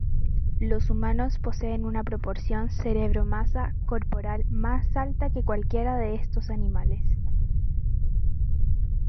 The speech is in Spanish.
Los humanos poseen una proporción cerebro-masa corporal más alta que cualquiera de estos animales.